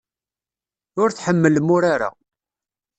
Ur tḥemmlem urar-a.